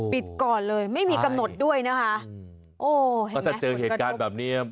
ปิดก่อนเลยไม่มีกำหนดด้วยนะคะโอ้เห็นไหมผลกระโดดก็ถ้าเจอเหตุการณ์แบบนี้